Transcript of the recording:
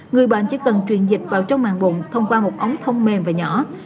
người bệnh chỉ cần truyền dịch vào trong màn bụng thông qua một ống thông mềm và nhỏ